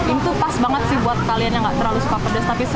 itu pas banget sih buat kalian yang gak terlalu suka pedas